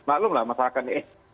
malum lah masyarakat ini eh